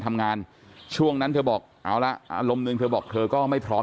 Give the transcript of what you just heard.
ทำงานช่วงนั้นเธอบอกเอาละอารมณ์หนึ่งเธอบอกเธอก็ไม่พร้อม